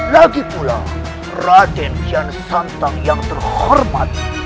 lagi pula raden jan santang yang terhormat